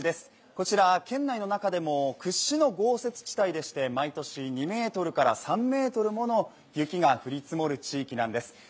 こちら県内の中でも屈指の豪雪地帯でして毎年２ｍから３ｍもの雪が降り積もる地域なんです。